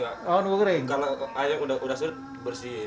kalau air yang sudah surut dibersihin